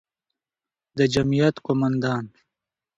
د جمعیت قوماندان،